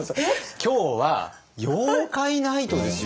今日は妖怪ナイトですよ？